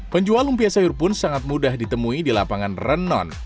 penjual lumpia sayur pun sangat mudah ditemui di lapangan renon